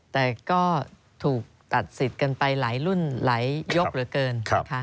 แต่ก็ถูกตัดสิทธิ์กันไปหลายรุ่นหลายยกเหลือเกินนะคะ